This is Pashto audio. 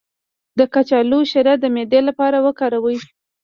د کچالو شیره د معدې لپاره وکاروئ